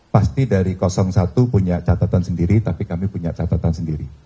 pasti dari satu punya catatan sendiri tapi kami punya catatan sendiri